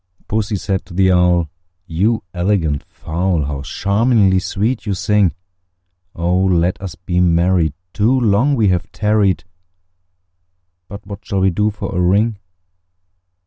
II. Pussy said to the Owl, "You elegant fowl, How charmingly sweet you sing! Oh! let us be married; too long we have tarried: But what shall we do for a ring?"